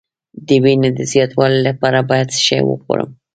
د وینې د زیاتوالي لپاره باید څه شی وخورم؟